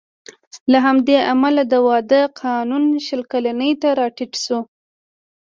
له همدې امله د واده قانون شل کلنۍ ته راټیټ شو